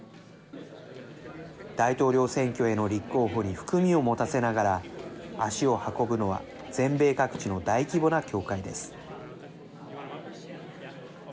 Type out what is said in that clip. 大統領選挙への立候補に含みを持たせながら足を運ぶのは全米各地の大規模な教会です。